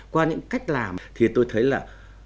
qua những cách làm thì tôi thấy là